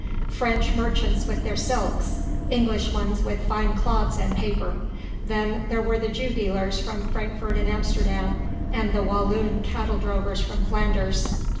French merchants with their silks, English ones with fine cloths and paper, then there were the Jew dealers from Frankfurt and Amsterdam, and the Walloon cattle drovers from Flanders.